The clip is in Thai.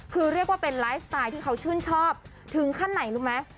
คือเรียกว่าเป็นไลฟ์สไตล์ที่เขาชื่นชอบถึงขั้นไหนรู้ไหม